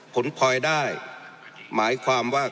ผลพลอยได้หมายความว่า